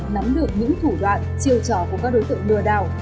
nắm được những thủ đoạn chiều trò của các đối tượng đùa đảo